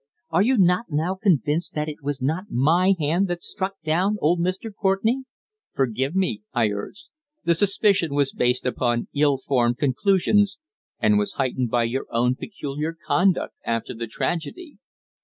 "Are you not now convinced that it was not my hand that struck down old Mr. Courtenay?" "Forgive me," I urged. "The suspicion was based upon ill formed conclusions, and was heightened by your own peculiar conduct after the tragedy."